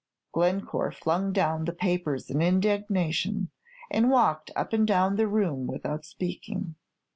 Glencore flung down the papers in indignation, and walked up and down the room without speaking.